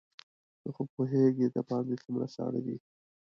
ته خو پوهېږې دباندې څومره ساړه دي.